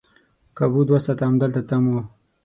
کابو دوه ساعته همدلته تم وو.